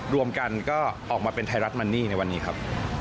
รวมกันก็ออกมาเป็นไทยรัฐมันนี่ในวันนี้ครับ